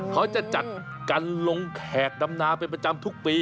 เขาจะจัดการลงแขกดำนาเป็นประจำทุกปี